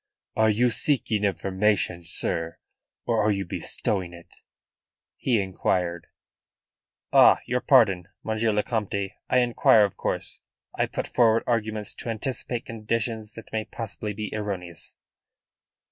"Are you seeking information, sir, or are you bestowing it?" he inquired. "Ah! Your pardon, Monsieur le Comte. I inquire of course. I put forward arguments to anticipate conditions that may possibly be erroneous."